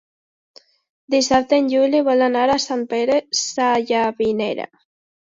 Dissabte en Juli vol anar a Sant Pere Sallavinera.